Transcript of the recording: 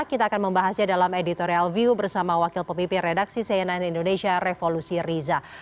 kita akan membahasnya dalam editorial view bersama wakil pemimpin redaksi cnn indonesia revolusi riza